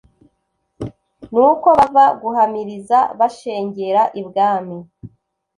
Nuko bava guhamiriza bashengera ibwami